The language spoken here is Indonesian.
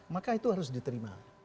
maka itu harus diterima